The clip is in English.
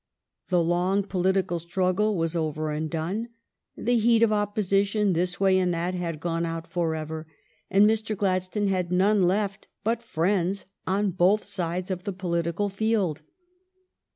The long polit ical struggle was over and done. The heat of opposition this way and that had gone out forever, and Mr. Gladstone had none left but friends on both sides of the political field.